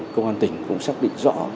công an tỉnh cũng xác định rõ